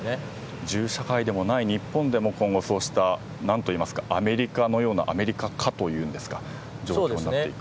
銃社会でもない日本でも今後、そうした何といいますかアメリカ化というんですか状況になっていく。